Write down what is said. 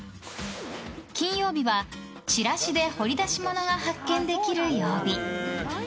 金曜日は、チラシで掘り出し物が発見できる曜日。